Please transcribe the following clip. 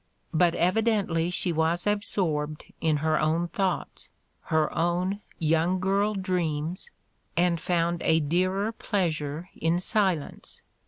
But evidently she was absorbed in her own thoughts, her own young girl dreams, and found a dearer pleas ure in silence.